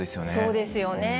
そうですよね。